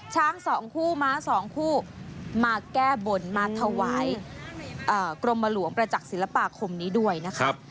ช้าง๒คู่ม้า๒คู่มาแก้บนมาถวายกรมหลวงประจักษ์ศิลปาคมนี้ด้วยนะครับ